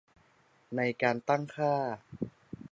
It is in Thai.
ใน การตั้งค่า